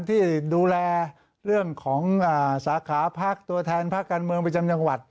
ที่ดูแลเรื่องของสาขาพักตัวแทนพักการเมืองประจำจังหวัด